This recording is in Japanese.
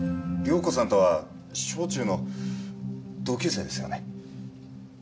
遼子さんとは小中の同級生ですよね？